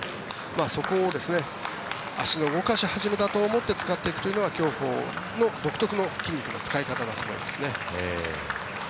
そこを足の動かし始めだと思って使っていくというのが競歩の独特の筋肉の使い方だと思いますね。